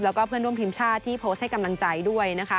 แล้วก็เพื่อนร่วมทีมชาติที่โพสต์ให้กำลังใจด้วยนะคะ